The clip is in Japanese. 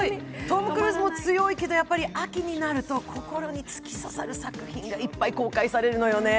トム・クルーズも強いけど、秋になると心に突き刺さる作品がいっぱい公開されるのよね。